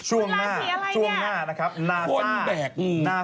ราศีอะไรเนี่ยคนแบกงูช่วงหน้า